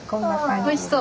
おいしそう。